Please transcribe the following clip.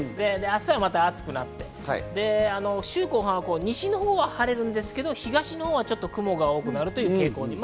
明日はまた暑くなって、週後半は西のほうは晴れるんですけれど、東は雲が多くなるという傾向です。